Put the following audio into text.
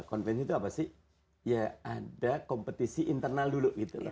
konvensi itu apa sih ya ada kompetisi internal dulu